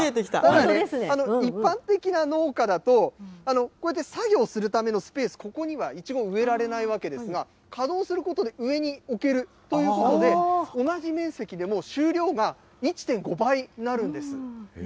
一般的な農家だと、こうやって作業するためのスペース、ここにはイチゴ、植えられないわけですが、可動することで上に置けるということで、同じ面積でも収量が１．５倍になるんです。